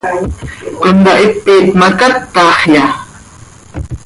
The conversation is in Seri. ¿Contahipit ma, cátaxya?